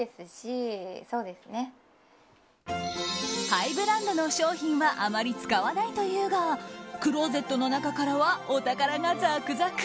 ハイブランドの商品はあまり使わないというがクローゼットの中からはお宝がザクザク。